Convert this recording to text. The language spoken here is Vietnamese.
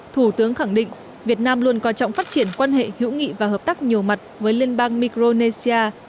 thủ tướng khẳng định việt nam luôn coi trọng phát triển quan hệ hữu nghị và hợp tác nhiều mặt với liên bang micronesia